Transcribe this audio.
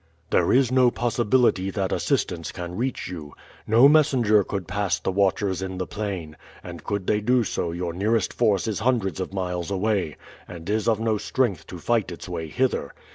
"There is no possibility that assistance can reach you. No messenger could pass the watchers in the plain; and could they do so your nearest force is hundreds of miles away, and is of no strength to fight its way hither.